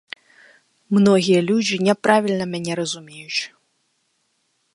Многія людзі няправільна мяне разумеюць.